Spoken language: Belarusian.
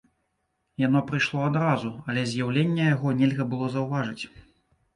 Яно прыйшло адразу, але з'яўлення яго нельга было заўважыць.